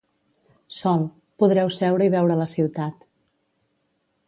Sol— Podreu seure i veure la ciutat.